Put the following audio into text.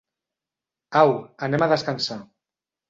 Au, anem a descansar.